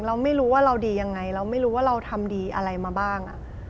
เราไม่รู้ว่าเราดียังไงเราไม่รู้ว่าเราทำดีอะไรมาบ้าง